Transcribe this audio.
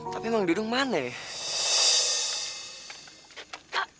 tapi emang duduk mana ya